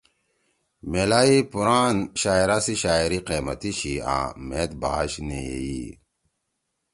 میلائی پُوران شاعرا سی شاعری قیمتی چھی آں مھید باش نے ییئی۔